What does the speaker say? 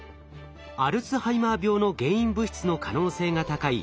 アルツハイマー病の原因物質の可能性が高い